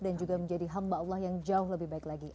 dan juga menjadi hamba allah yang jauh lebih baik lagi